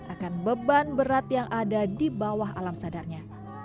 akan beban berat yang ada di bawah alam sadarnya